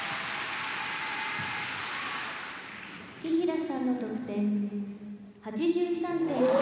「紀平さんの得点８３．９７」